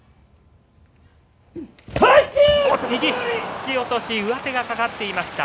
突き落とし上手が掛かっていました。